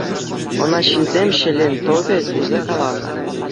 Ӑна ҫынсем Ҫӗлен тӑвӗ тесе каланӑ.